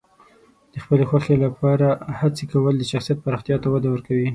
د خپلې خوښې لپاره هڅې کول د شخصیت پراختیا ته وده ورکوي.